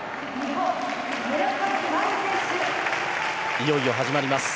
いよいよ始まります